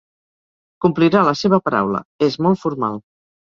Complirà la seva paraula: és molt formal.